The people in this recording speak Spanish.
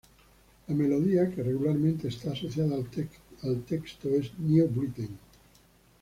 La melodía que regularmente está asociada al texto es New Britain.